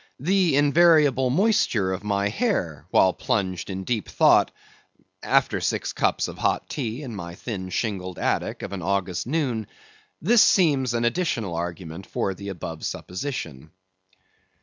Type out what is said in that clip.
The invariable moisture of my hair, while plunged in deep thought, after six cups of hot tea in my thin shingled attic, of an August noon; this seems an additional argument for the above supposition.